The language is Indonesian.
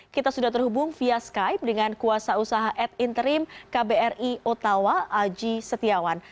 kita sudah terhubung via skype dengan kuasa usaha ad interim kbri ottawa aji setiawan